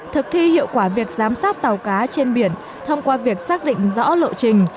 thực thi hiệu quả việc giám sát tàu cá trên biển thông qua việc xác định rõ lộ trình